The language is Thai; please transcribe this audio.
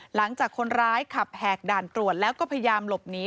หลังจากคนร้ายขับแหกด่านตรวจแล้วก็พยายามหลบหนี